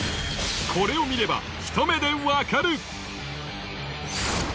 これを見ればひと目でわかる。